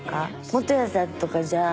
本谷さんとかじゃあ。